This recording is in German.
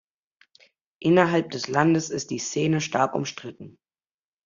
Innerhalb des Landes ist die Szene stark umstritten.